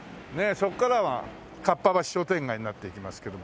そこからはかっぱ橋商店街になっていきますけどもね。